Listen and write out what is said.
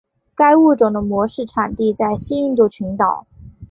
该物种的模式产地在西印度群岛。